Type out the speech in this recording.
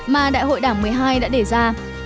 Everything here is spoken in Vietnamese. mà đại hội đảng một mươi hai đã đề ra